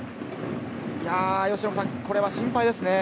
由伸さん、これは心配ですね。